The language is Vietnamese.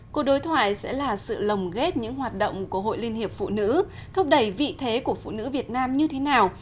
cuộc đối thoại sẽ là sự lồng ghép những hoạt động của hội liên hiệp phụ nữ thúc đẩy vị thế của phụ nữ việt nam như thế nào